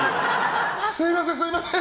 すみません、すみません！